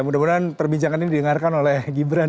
mudah mudahan perbincangan ini didengarkan oleh gibran